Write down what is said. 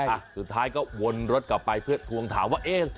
อ่ะสุดท้ายก็วนรถกลับไปเพื่อทวงถามว่าเอ๊ะ